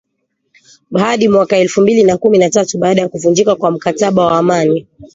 hadi mwaka elfu mbili na kumi na tatu baada ya kuvunjika kwa mkataba wa amani